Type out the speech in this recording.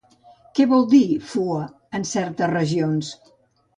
Què vol dir fua en certes regions?